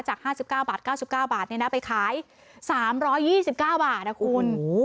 ๕๙บาท๙๙บาทไปขาย๓๒๙บาทนะคุณ